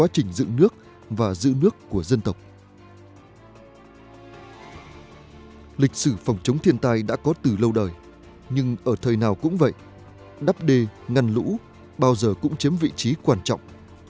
thiên tài đã có từ lâu đời nhưng ở thời nào cũng vậy đắp đê ngăn lũ bao giờ cũng chiếm vị trí quan trọng